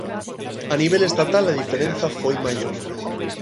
A nivel estatal a diferenza foi maior.